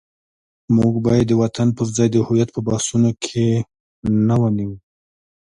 موږ باید د وطن پر ځای د هویت په بحثونو کې نه ونیو.